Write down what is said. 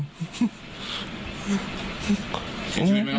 สิ้นชีวิตไหมครับผม